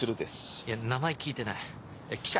いや名前聞いてない記者？